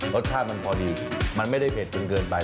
รสชาติมันพอดีมันไม่ได้เผ็ดจนเกินไป